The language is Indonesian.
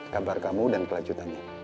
kabar kamu dan kelanjutannya